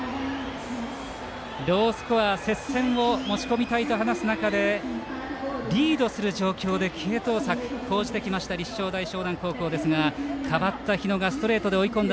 ロースコア、接戦に持ち込みたいと話す中でリードする状況で継投策を講じてきた立正大淞南高校ですが代わった日野がストレートで追い込んだ